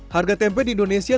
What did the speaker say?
harga tempe di indonesia